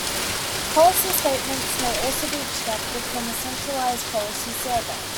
Policy statements may also be extracted from a centralized policy server.